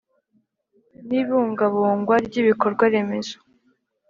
N ibungabungwa ry ibikorwa remezo